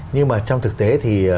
nhưng mà trong thực tế thì